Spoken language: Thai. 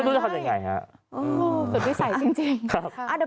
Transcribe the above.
ไม่รู้จะทำยังไงครับ